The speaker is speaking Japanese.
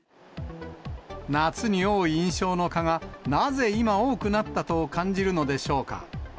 夏に多い印象の蚊が、なぜ今、多くなったと感じるのでしょうか。